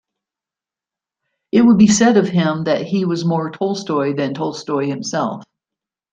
It would be said of him that he was more Tolstoy than Tolstoy himself.